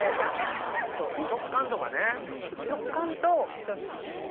そう食感とかね。